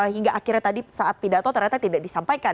hingga akhirnya tadi saat tidak tahu ternyata tidak disampaikan